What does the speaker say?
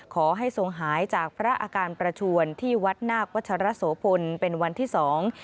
ขอให้ทรงหายจากพระอาการประชวนที่วัดนาควัชรโสพลเป็นวันที่สอง